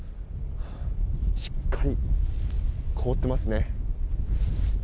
しっかり、凍っていますね。